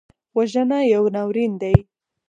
وژنه یو ناورین دی